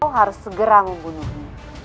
kau harus segera membunuhnya